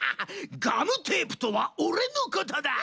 ガムテープとはオレのことだ！